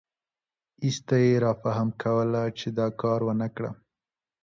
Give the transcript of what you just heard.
ایسته یې رافهم کوله چې دا کار ونکړم.